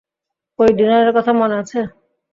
ওই ডিনারের কথা মনে আছে?